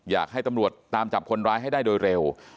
อยากให้ตำรวจตามจับคนร้ายให้ได้โดยเร็ว